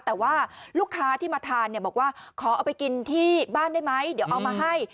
แต่ว่าลูกค้าที่มาทานเนี่ยบอกว่าขอเอาไปกินที่บ้านได้ไหมเดี๋ยวเอามาให้